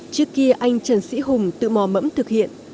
trước kia anh trần sĩ hùng tự mò mẫm thực hiện